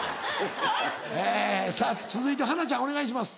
続いて華ちゃんお願いします。